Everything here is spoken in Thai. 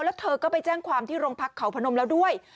แล้วเธอก็ไปแจ้งความที่โรงพักเขาพนมแล้วด้วย